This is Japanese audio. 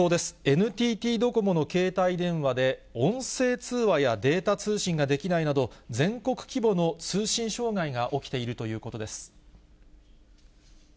ＮＴＴドコモの携帯電話で、音声通話やデータ通信ができないなど、全国規模の通信障害が起きているということです。